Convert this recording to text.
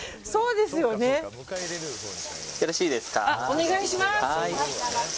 お願いします。